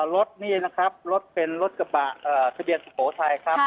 รถนี่นะครับรถเป็นรถกระบะทะเบียนสุโขทัยครับ